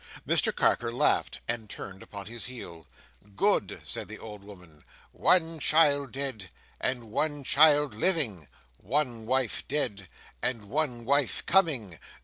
Mr Carker laughed, and turned upon his heel. "Good!" said the old woman. "One child dead, and one child living: one wife dead, and one wife coming.